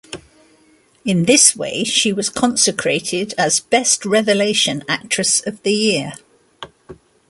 In this way she was consecrated as "best revelation actress of the year".